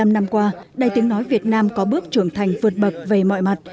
bảy mươi năm năm qua đài tiếng nói việt nam có bước trưởng thành vượt bậc về mọi mặt